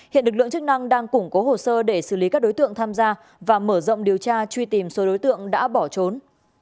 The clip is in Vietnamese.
hiện lực lượng chức năng đang củng cố hồ sơ để xử lý các đối tượng tham gia và mở rộng điều tra truy tìm số đối tượng đã bỏ trốn